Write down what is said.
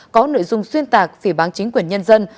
có nội dung xuyên tạc phỉ bán chính quyền nhân dân